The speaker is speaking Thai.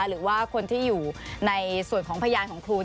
หรือว่าคนที่อยู่ในส่วนของพยานของครู